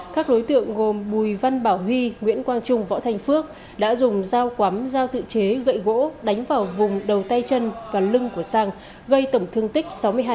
các đối tượng gồm bùi văn bảo huy nguyễn quang trung võ thành phước đã dùng dao quắm giao tự chế gậy gỗ đánh vào vùng đầu tay chân và lưng của sang gây tổng thương tích sáu mươi hai